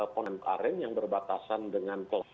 pondengkaren yang berbatasan dengan